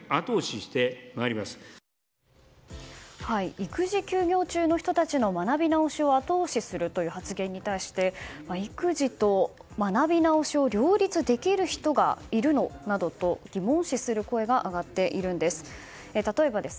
育児休業中の人たちの学び直しを後押しするという発言に対して育児と学び直しを両立できる人がいるの？などと疑問視する声が上がっているんです。